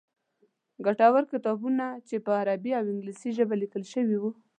ګټور کتابونه چې په عربي او انګلیسي ژبې لیکل شوي ول.